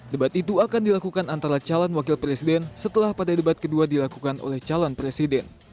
debat itu akan dilakukan antara calon wakil presiden setelah pada debat kedua dilakukan oleh calon presiden